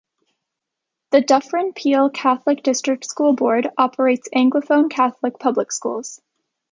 The Dufferin-Peel Catholic District School Board operates Anglophone Catholic public schools.